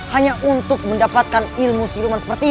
hanya untuk mendapatkan ilmu siluman sepertinya